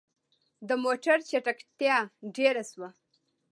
د موټر چټکتيا ډيره شوه.